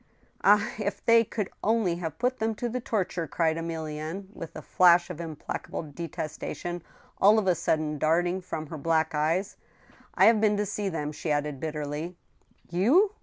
" Ah I if they could only have put them to the torture !" cried Emilienne, with a flash of implacable detestation all of a sudden darting from her black eyes. " I have been to see them," she added, bitterly. "You?"